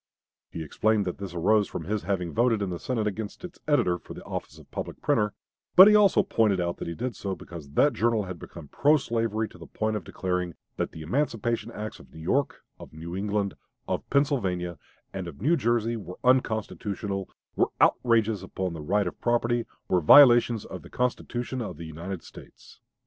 He explained that this arose from his having voted in the Senate against its editor for the office of public printer; but he also pointed out that he did so because that journal had become pro slavery to the point of declaring "that the emancipation acts of New York, of New England, of Pennsylvania, and of New Jersey were unconstitutional, were outrages upon the right of property, were violations of the Constitution of the United States."